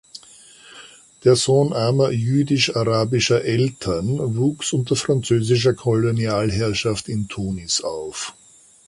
Der Sohn armer jüdisch-arabischer Eltern wuchs unter französischer Kolonialherrschaft in Tunis auf.